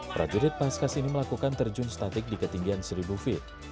prajurit paskas ini melakukan terjun statik di ketinggian seribu feet